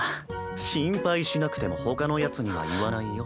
心配しなくてもほかのヤツには言わないよ。